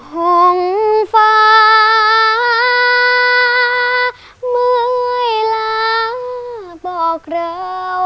โฮงฟ้าเมื่อเวลาบอกเรา